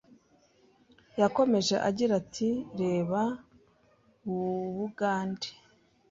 Yakomeje agira ati Reba u Bugande